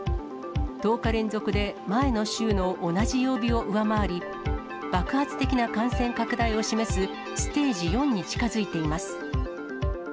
１０日連続で前の週の同じ曜日を上回り、爆発的な感染拡大を示すステージ４に近づいています。